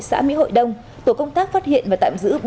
xã mỹ hội đông tổ công tác phát hiện và tạm giữ